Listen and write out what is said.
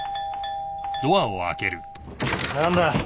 ・何だ！？